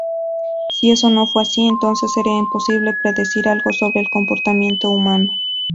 Si eso no fuera así, entonces sería imposible predecir algo sobre el comportamiento humano.